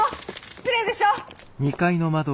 失礼でしょ！